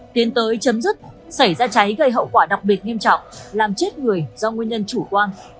tiến tới chấm dứt xảy ra cháy gây hậu quả đặc biệt nghiêm trọng làm chết người do nguyên nhân chủ quan